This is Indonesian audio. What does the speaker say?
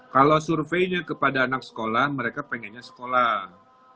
kalau surveinya kepada anak sekolah mereka pengennya sekolah